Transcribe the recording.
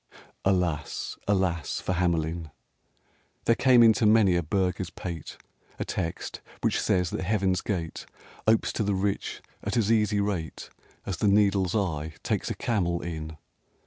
XIV Alas, alas for Hamelin! There came into many a burgher's pate A text which says that heaven's gate Opes to the rich at as easy rate As the needle's eye takes a camel in!